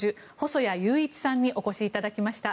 細谷雄一さんにお越しいただきました。